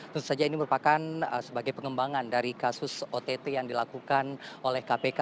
tentu saja ini merupakan sebagai pengembangan dari kasus ott yang dilakukan oleh kpk